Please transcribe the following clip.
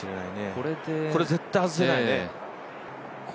これ、絶対外せないね。